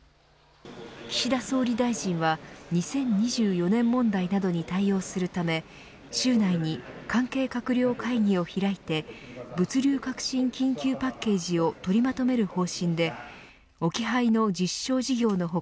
岸田総理大臣は２０２４年問題などに対応するため週内に関係閣僚会議を開いて物流革新緊急パッケージを取りまとめる方針で置き配の実証事業の他